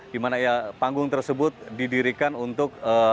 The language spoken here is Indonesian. di mana ya panggung tersebut didirikan untuk